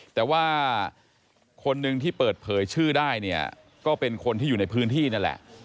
แต่ว่าคนหนึ่งที่เปิดเผยชื่อได้เนี่ยก็เป็นคนที่อยู่ในพื้นที่นั่นแหละ